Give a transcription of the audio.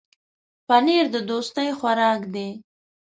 پنېر د دوستۍ خوراک دی.